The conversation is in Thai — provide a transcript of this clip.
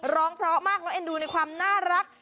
ร้องเพราะมากแล้วเอ็นดูในความน่ารัก